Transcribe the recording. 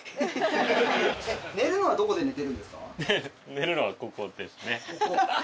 寝るのはここですね。